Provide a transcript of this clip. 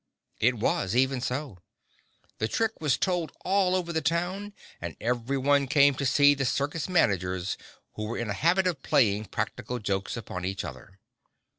It was even so; the trick was told all over town and every one came to see the circus managers who were in a habit of playing practical jokes upon each other.